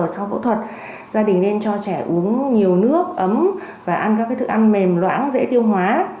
sau phẫu thuật gia đình nên cho trẻ uống nhiều nước ấm và ăn các thức ăn mềm loãng dễ tiêu hóa